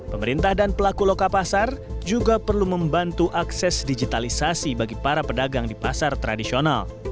pemerintah dan pelaku loka pasar juga perlu membantu akses digitalisasi bagi para pedagang di pasar tradisional